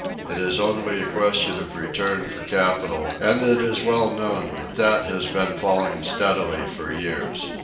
It is only a question of return for capital, and it is well known that that has been falling steadily for years.